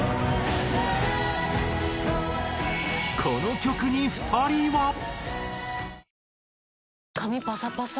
この曲に２人は。